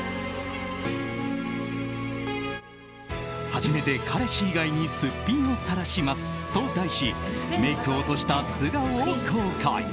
初めて彼氏以外にすっぴんをさらしますと題しメイクを落とした素顔を公開。